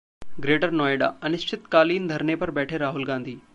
greater Noida: अनिश्चितकालीन धरने पर बैठे राहुल गांधी